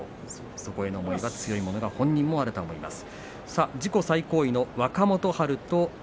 そこへの思い、強いものは本人もあると思います。